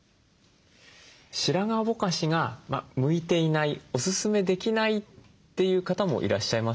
白髪ぼかしが向いていないおすすめできないという方もいらっしゃいますか？